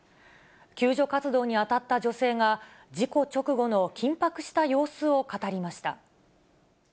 救助活動に当たった女性が、事故直後の緊迫した様子を語りま